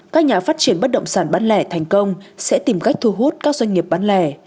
các nhà phát triển bất động sản bán lẻ thành công sẽ tìm cách thu hút các doanh nghiệp bán lẻ